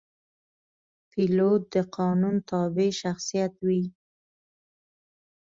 پیلوټ د قانون تابع شخصیت وي.